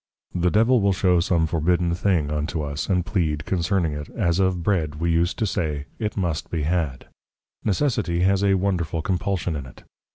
_ The Devil will show some forbidden thing unto us, and plead concerning it, as of Bread we use to say, it must be had. Necessity has a wonderful compulsion in it.